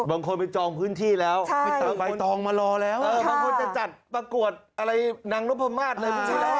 บางคนไปจองพื้นที่แล้วไปตักใบตองมารอแล้วบางคนจะจัดประกวดอะไรนางนพมาศอะไรไม่ใช่แล้ว